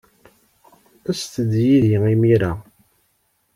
Aset-d yid-i imir-a.